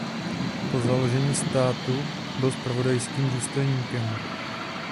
Po založení státu byl zpravodajským důstojníkem.